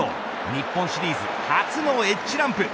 日本シリーズ初のＨランプ。